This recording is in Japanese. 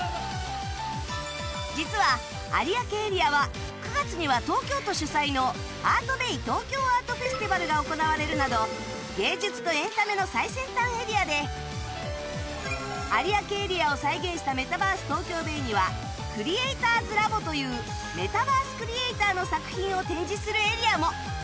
実は有明エリアは９月には東京都主催の ＡＲＴＢＡＹＴＯＫＹＯ アートフェスティバルが行われるなど芸術とエンタメの最先端エリアで有明エリアを再現したメタバース ＴＯＫＹＯＢＡＹ にはクリエイターズラボというメタバースクリエイターの作品を展示するエリアも